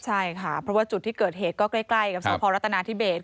ใช่ค่ะเพราะว่าจุดที่เกิดเหตุก็ใกล้กับสพรัฐนาธิเบส